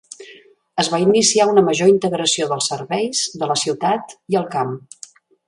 Es va iniciar una major integració dels serveis de la ciutat i el camp.